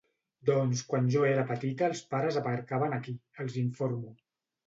Doncs quan jo era petita els pares aparcaven aquí —els informo.